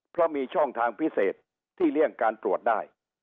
เพราะมีช่องทางพิเศษที่เลี่ยงการตรวจได้